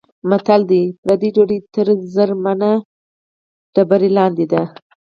متل دی: پردۍ ډوډۍ تر زرمنه تیږه لاندې ده.